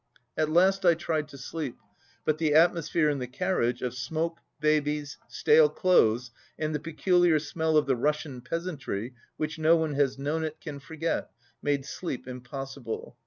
At last I tried to sleep, but the atmosphere in the carriage, of smoke, babies, stale clothes, and the peculiar smell of the Russian peasantry which no one who has known it can forget, made sleep impossible.